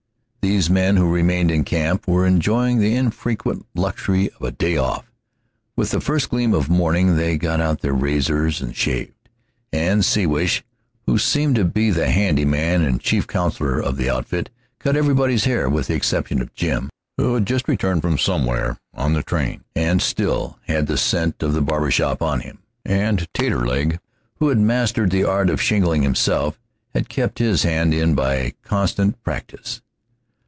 These men who remained in camp were enjoying the infrequent luxury of a day off. With the first gleam of morning they got out their razors and shaved, and Siwash, who seemed to be the handy man and chief counselor of the outfit, cut everybody's hair, with the exception of Jim, who had just returned from somewhere on the train, and still had the scent of the barber shop on him, and Taterleg, who had mastered the art of shingling himself, and kept his hand in by constant practice.